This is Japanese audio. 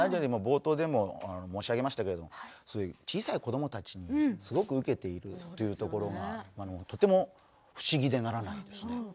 冒頭でも申し上げましたけれども小さい子どもたちにすごい受けているというところがとても不思議でならないですね。